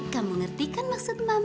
kamu ngerti kan maksud mama